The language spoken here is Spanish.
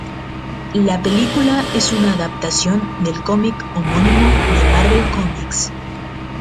La película es una adaptación del cómic homónimo de Marvel Comics.